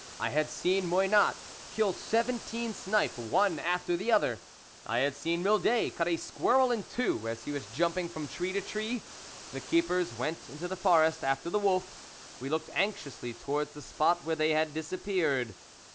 I had seen Moynat kill seventeen snipe one after the other ; I had seen Mildet cut a squirrel in two as he was jumping from tree to tree. The keepers went into the forest after the wolf ; we looked anxiously towards the spot where they had disappeared.